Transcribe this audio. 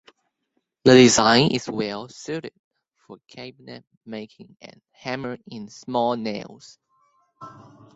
The design is well suited for cabinet making and hammering in small nails.